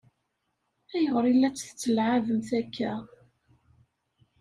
Ayɣer i la tt-tettlɛabemt akka?